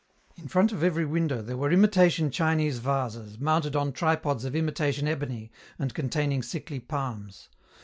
In front of every window there were imitation Chinese vases, mounted on tripods of imitation ebony and containing sickly palms.